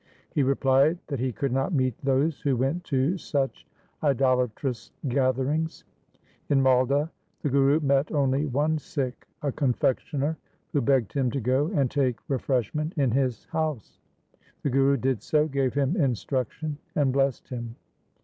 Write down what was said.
He replied that he could not meet those who went to such idolatrous gatherings. In Maldah the Guru met only one Sikh, a confectioner, who begged him to go and take refreshment in his house. The Guru did so, gave him instruction, and blessed him.